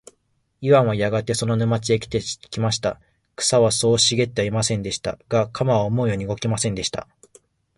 イワンはやがてその沼地へ来ました。草はそう茂ってはいませんでした。が、鎌は思うように動きませんでした。